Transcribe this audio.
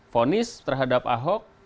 ponis terhadap ahok